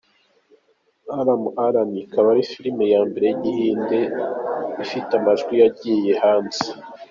Alam Ara, ikaba ari filime ya mbere y’igihinde ifite amajwi yagiye hanze.